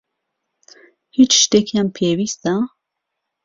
هیچ شتێکتان پێویستە؟